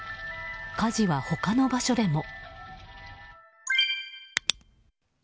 火事は他の場所でも。